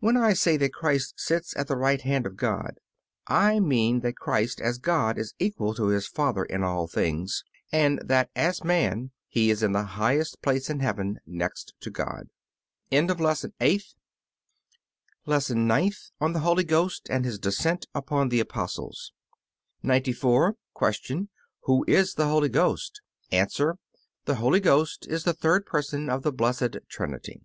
When I say that Christ sits at the right hand of God I mean that Christ as God is equal to His Father in all things, and that as man He is in the highest place in heaven next to God. LESSON NINTH ON THE HOLY GHOST AND HIS DESCENT UPON THE APOSTLES 94. Q. Who is the Holy Ghost? A. The Holy Ghost is the third Person of the Blessed Trinity.